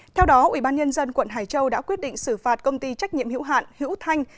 theo đó ubnd quận hải châu đã quyết định xử phạt công ty trách nhiệm hữu hạn hữu thanh